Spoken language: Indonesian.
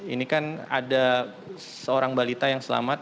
ini kan ada seorang balita yang selamat